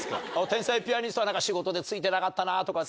天才ピアニストは仕事でツイてなかったなとか。